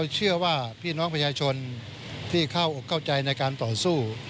เชื่อว่าพี่น้องประชาชนที่เข้าอกเข้าใจในการต่อสู้